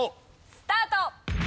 スタート！